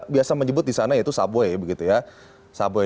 biasa menyebut di sana yaitu subway